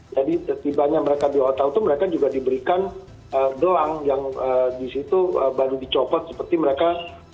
jadi tiba tiba mereka di hotel itu mereka juga diberikan gelang yang disitu baru dicopot seperti mereka